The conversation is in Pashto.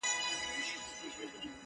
o لږ وزړه ته مي ارام او سکون غواړم,